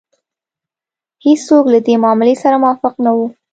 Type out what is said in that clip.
هېڅوک له دې معاملې سره موافق نه وو.